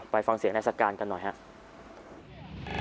ไปฟังเสียงนายสการกันหน่อยครับ